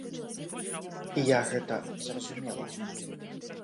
І я гэта зразумела.